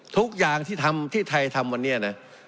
ทุกอย่างที่ทำที่ไทยทำวันนี้นะ